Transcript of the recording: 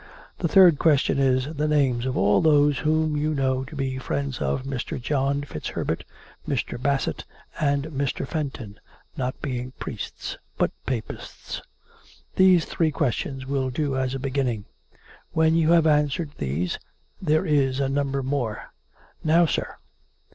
" The third question is, the names of all those whom you know to be friends of Mr. John FitzHerbert, Mr. Bassett and Mr. Fenton — not being priests ; but Papists. " These three questions will do as a beginning. When you have answered these, there is a number more. Now, sir."